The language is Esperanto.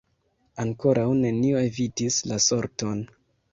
Ankoraŭ neniu evitis la sorton.